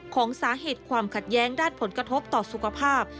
ของสาเหตุความขัดแย้งด้านผลกระทบต่อสุขภาพ